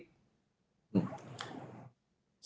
singapura sama malaysia kasusnya masih sedikit